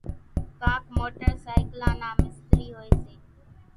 ڪانڪ موٽرسائيڪلان نا مِستري هوئيَ سي۔